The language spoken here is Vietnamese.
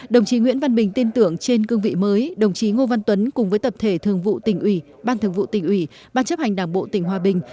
đồng chí nguyễn văn bình tin tưởng trên cương vị mới đồng chí ngô văn tuấn cùng với tập thể thường vụ tỉnh ủy ban thường vụ tỉnh ủy ban chấp hành đảng bộ tỉnh hòa bình